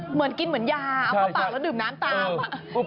เหมือนกินเหมือนยาเอาเข้าปากแล้วดื่มน้ำตาม